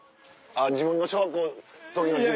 自分の小学校の時の自分に。